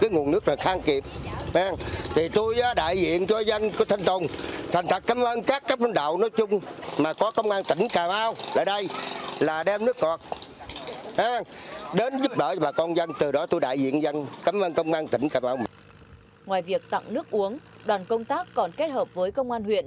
ngoài việc tặng nước uống đoàn công tác còn kết hợp với công an huyện